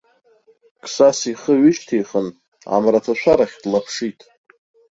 Қсас ихы ҩышьҭихын, амраҭашәарахь длаԥшит.